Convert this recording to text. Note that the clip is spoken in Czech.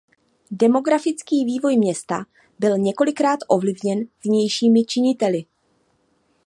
Demografický vývoj města byl několikrát ovlivněn vnějšími činiteli.